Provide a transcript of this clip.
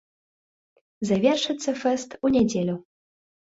Завершыцца фэст у нядзелю.